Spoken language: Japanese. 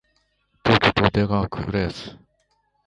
東京都江戸川区浦安